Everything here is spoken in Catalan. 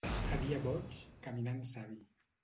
A dia boig, caminant savi.